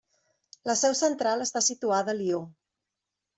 La seu central està situada a Lió.